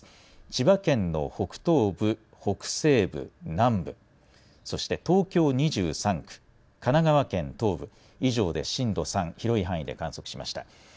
千葉県の北東部、北西部、南部、そして東京２３区、神奈川県東部、以上で震度３、広い範囲で観測しました。